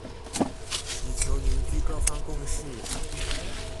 以求凝聚各方共識